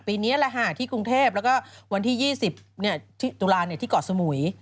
ปีนี้แหละค่ะที่กรุงเทพแล้วก็วันที่๒๐ตุลาที่เกาะสมุย